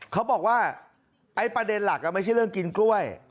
เขาบอกว่าไอ้ประเด็นหลักไม่ใช่เรื่องกินกล้วย